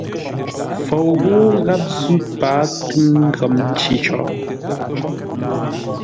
Fou ghó gháp zʉ́ pâa túŋ ghəm nci có.